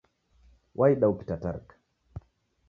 Waida ukitatarika